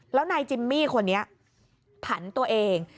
แล้วนายจิมมี่คนนี้ผันตัวเอง